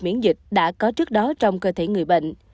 miễn dịch đã có trước đó trong cơ thể người bệnh